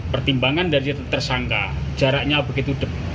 pertimbangan dari tersangka jaraknya begitu dem